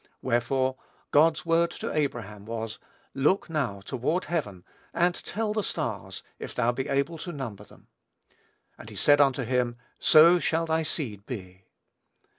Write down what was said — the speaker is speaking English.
Wherefore, God's word to Abraham was, "look now toward heaven, and tell the stars, if thou be able to number them; and he said unto him, So shall thy seed be."